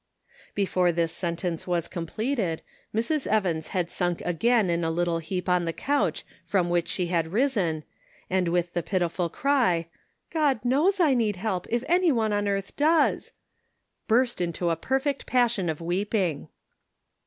Before this sentence was completed, Mrs. Evans had sunk again in a little heap on the couch from which she had risen, and with the pitiful cry :" God knows I need help, if any one on earth does," burst into a perfect passion of weeping.